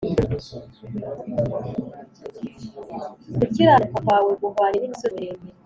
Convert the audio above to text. Gukiranuka kwawe guhwanye n’imisozi miremire